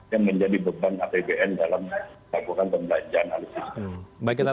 yang menjadi beban apbn dalam melakukan pembelanjaan analisis